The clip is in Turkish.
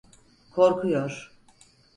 Korkuyor…